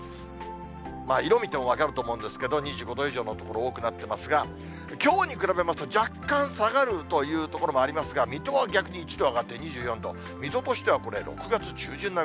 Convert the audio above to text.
色見ても分かると思うんですけど、２５度以上の所多くなってますが、きょうに比べますと、若干下がるという所もありますが、水戸は逆に１度上がって２４度。